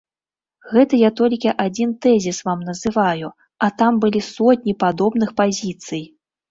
Гэта я толькі адзін тэзіс вам называю, а там былі сотні падобных пазіцый.